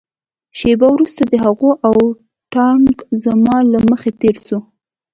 شېبه وروسته د هغوى اول ټانک زما له مخې تېر سو.